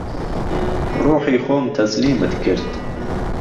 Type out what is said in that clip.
ڕووحی خۆم تهسلیمت کرد